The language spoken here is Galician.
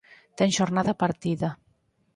Ten xornada partida.